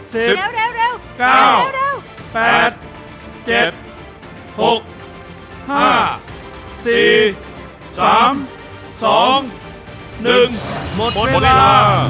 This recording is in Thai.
หมดเวลา